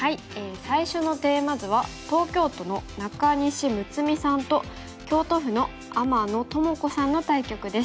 最初のテーマ図は東京都の中西睦さんと京都府の天野知子さんの対局です。